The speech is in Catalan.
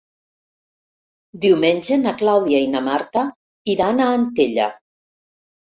Diumenge na Clàudia i na Marta iran a Antella.